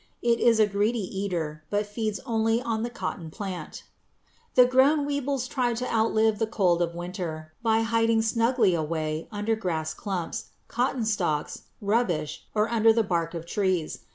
It is a greedy eater, but feeds only on the cotton plant. The grown weevils try to outlive the cold of winter by hiding snugly away under grass clumps, cotton stalks, rubbish, or under the bark of trees.